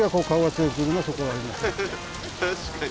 確かに。